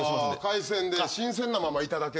海鮮で新鮮なままいただけるんですね。